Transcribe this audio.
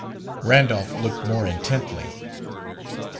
Randolph looked more intently.